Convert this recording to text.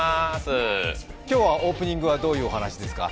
今日はオープニングはどういうお話ですか？